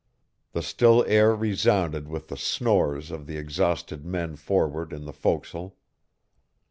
The still air resounded with the snores of the exhausted men forward in the forecastle.